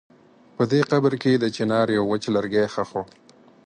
په دې قبر کې د چنار يو وچ لرګی ښخ و.